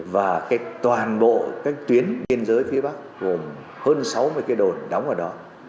và toàn bộ các tuyến biên giới phía bắc gồm hơn sáu mươi cái đồn đóng ở đó